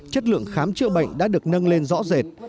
chất lượng khám chữa bệnh đã được nâng lên rõ rệt